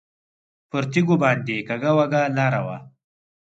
پر تیږو باندې کږه وږه لاره وه.